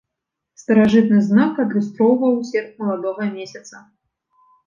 Старажытны знак адлюстроўваў серп маладога месяца.